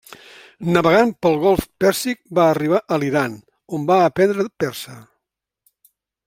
Navegant pel golf Pèrsic va arribar a l'Iran, on va aprendre persa.